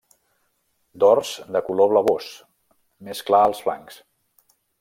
Dors de color blavós, més clar als flancs.